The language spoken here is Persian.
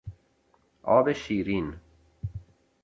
آب شیرین